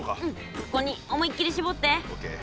ここに思いっきりしぼって。